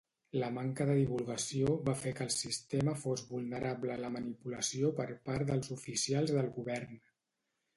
La manca de divulgació va fer que el sistema fos vulnerable a la manipulació per part dels oficials del govern.